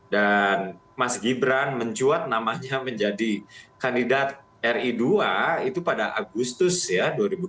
dan mas gibran mencuat namanya menjadi kandidat ri dua itu pada agustus ya dua ribu dua puluh tiga